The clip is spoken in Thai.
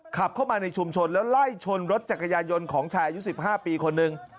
ขับเข้ามาในชุมชนแล้วไล่ชนรถจักรยานยนต์ของชายอายุ๑๕ปีคนหนึ่ง